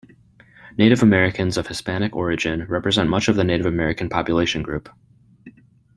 Native Americans of Hispanic origin represent much of the Native American population group.